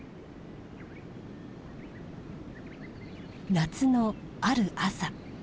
夏のある朝。